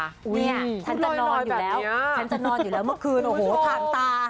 นี่ฉันจะนอนอยู่แล้วเมื่อคืนโอ้โหผ่านตา